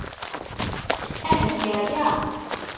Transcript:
Ahat yeɛya.